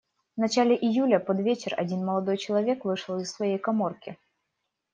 В начале июля, под вечер, один молодой человек вышел из своей каморки.